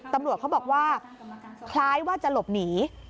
ตำรวจเขาบอกว่าคล้ายว่าจะหลบหนี